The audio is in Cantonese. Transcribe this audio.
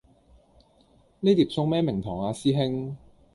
呢碟餸咩名堂呀師兄